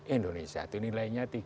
indonesia itu nilainya tiga tujuh